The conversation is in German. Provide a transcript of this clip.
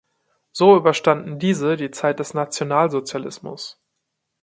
So überstanden diese die Zeit des Nationalsozialismus.